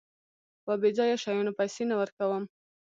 په بېځايه شيانو پيسې نه ورکوم.